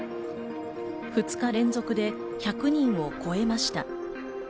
２日連続で１００人を超えました。